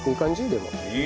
でも。